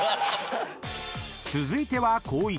［続いては光一。